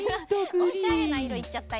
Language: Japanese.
おしゃれないろいっちゃったよ。